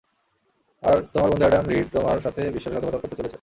আর তোমার বন্ধু Adam Reed তোমার সাথে বিশ্বাসঘাতকতা করতে চলেছে।